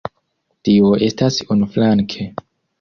Tio estas unuflanke.